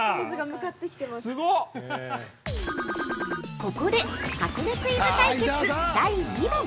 ◆ここで箱根クイズ対決、第２問。